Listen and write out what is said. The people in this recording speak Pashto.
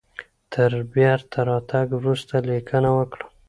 تر بیرته راتګ وروسته لیکنه وکړه.